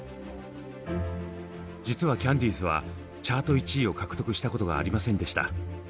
実はキャンディーズはチャート１位を獲得したことがありませんでした。